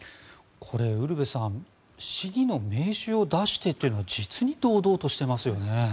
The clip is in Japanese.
これウルヴェさん市議の名刺を出してというのは実に堂々としていますよね。